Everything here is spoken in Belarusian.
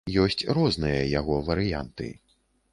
Ёсць розныя яго варыянты.